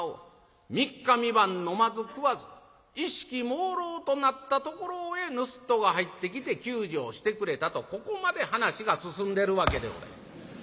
三日三晩飲まず食わず意識もうろうとなったところへぬすっとが入ってきて救助をしてくれたとここまで噺が進んでるわけでございます。